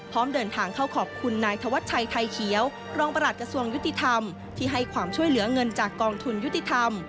พร้อมเดินทางเข้าขอบคุณนายธวัชชัยไทยเขียวรองประหลัดกระทรวงยุติธรรมที่ให้ความช่วยเหลือเงินจากกองทุนยุติธรรม